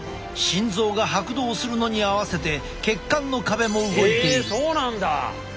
心臓が拍動するのに合わせて血管の壁も動いている。